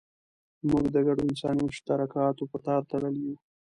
موږ د ګډو انساني مشترکاتو په تار تړلي یو.